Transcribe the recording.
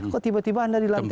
kok tiba tiba anda dilantikin aja